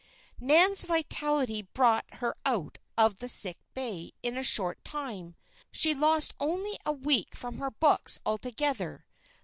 Nan's vitality brought her out of the "sick bay" in a short time. She lost only a week from her books altogether.